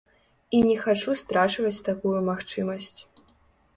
І не хачу страчваць такую магчымасць.